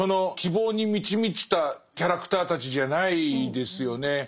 希望に満ち満ちたキャラクターたちじゃないですよね。